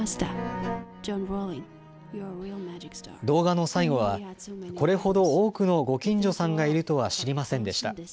動画の最後は、これほど多くのご近所さんがいるとは知りませんでした。